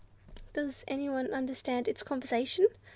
"Does anyone understand its conversation?"